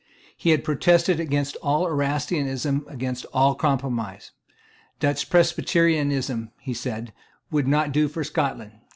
He had protested against all Erastianism, against all compromise. Dutch Presbyterianism, he said, would not do for Scotland.